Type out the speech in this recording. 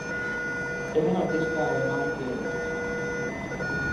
É un artista alemán que...